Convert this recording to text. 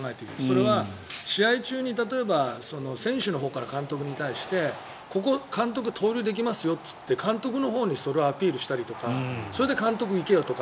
それは試合中に選手のほうから監督に対してここ、盗塁できますよって監督のほうにそれをアピールしたりとかそれで監督が行けよとか。